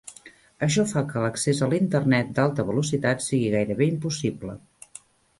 Això fa que l'accés a l'Internet d'alta velocitat sigui gairebé impossible.